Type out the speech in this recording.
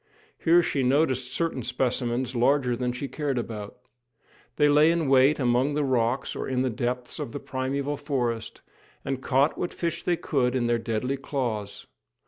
Here she noticed certain specimens, larger than she cared about. They lay in wait among the rocks or in the depths of the primeval forest, and caught what fish they could in their deadly claws.